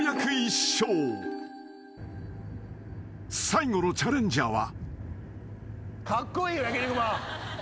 ［最後のチャレンジャーは］